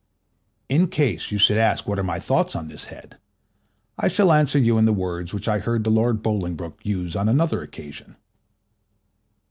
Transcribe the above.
In case you should ask what are my thoughts on this head, I shall answer you in the words which I heard the Lord Bolingbroke use on another occasion.